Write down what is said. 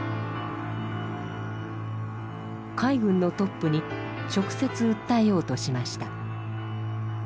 海軍のトップに直接訴えようとしました。